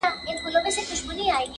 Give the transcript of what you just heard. نوم چي د ښکلا اخلي بس ته به یې!.